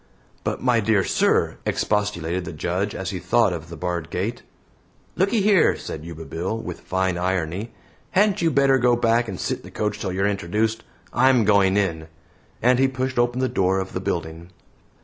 "But, my dear sir," expostulated the Judge as he thought of the barred gate. "Lookee here," said Yuba Bill, with fine irony, "hadn't you better go back and sit in the coach till yer introduced? I'm going in," and he pushed open the door of the building.